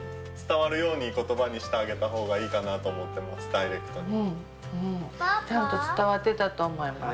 ダイレクトに。